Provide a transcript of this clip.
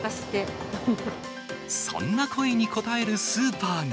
そんな声に応えるスーパーが。